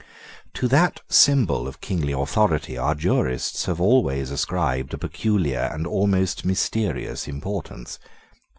To that symbol of kingly authority our jurists have always ascribed a peculiar and almost mysterious importance.